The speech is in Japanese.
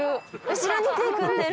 後ろに手組んでる。